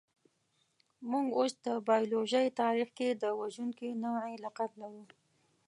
موږ اوس د بایولوژۍ تاریخ کې د وژونکي نوعې لقب لرو.